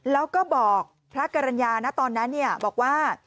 แล้วก็บอกพระกรรณญาณตอนนั้นบอกว่า